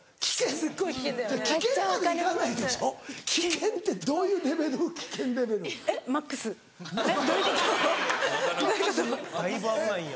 だいぶ危ないんや。